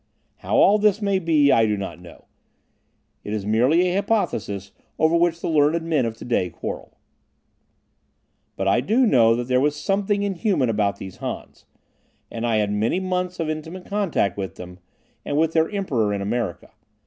How all this may be, I do not know. It is merely a hypothesis over which the learned men of today quarrel. But I do know that there was something inhuman about these Hans. And I had many months of intimate contact with them, and with their Emperor in America.